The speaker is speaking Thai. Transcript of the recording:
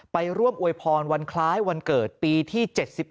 ไปร่วมอวยพรวันคล้ายวันเกิดปีที่๗๑